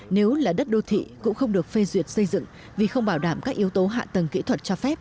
nếu là đất đô thị cũng không được phê duyệt xây dựng vì không bảo đảm các yếu tố hạ tầng kỹ thuật cho phép